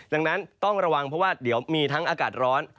ดังนั้นต้องระวังเพราะว่าเดี๋ยวมีทั้งอากาศร้อน